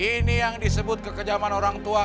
ini yang disebut kekejaman orang tua